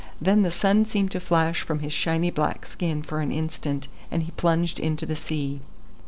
Then the sun seemed to flash from his shiny black skin for an instant, and he plunged into the sea.